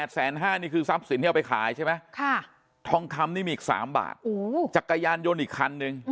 นี่คือทรัพย์สินที่เอาไปขายใช่ไหมทองคำนี่มีอีก๓บาทจักรยานยนต์อีกคันนึง